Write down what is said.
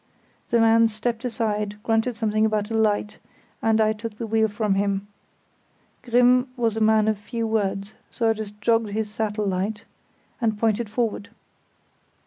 The man stepped aside, grunting something about a light, and I took the wheel from him. Grimm was a man of few words, so I just jogged his satellite, and pointed forward.